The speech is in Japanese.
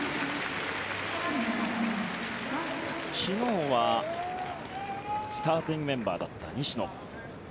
昨日はスターティングメンバーだった西野。